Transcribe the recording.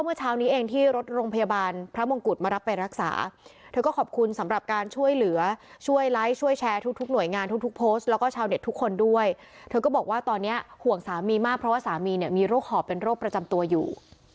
เพราะว่าสามีมีโรคหอบเป็นโรคประจำตัวอยู่